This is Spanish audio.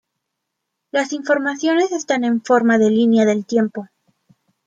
Las informaciones están en forma de línea del tiempo.